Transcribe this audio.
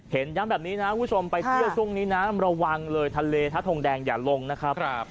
ย้ำแบบนี้นะคุณผู้ชมไปเที่ยวช่วงนี้นะระวังเลยทะเลถ้าทงแดงอย่าลงนะครับ